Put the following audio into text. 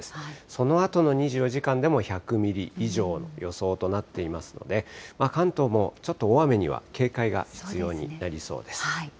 そのあとの２４時間でも１００ミリ以上の予想となっていますので、関東もちょっと大雨には警戒が必要になりそうです。